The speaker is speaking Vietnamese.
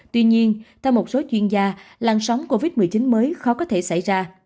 tuy nhiên theo một số chuyên gia làn sóng covid một mươi chín mới khó có thể xảy ra